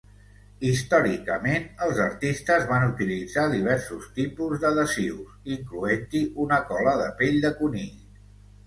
Històricament, els artistes van utilitzar diversos tipus d'adhesius, incloent-hi una cola de pell de conill.